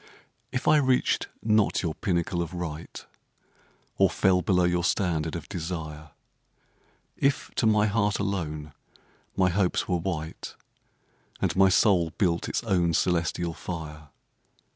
If I reached not your pinnacle of right, Or fell below your standard of desire, If to my heart alone my hopes were white. And my soul built its own celestial fire.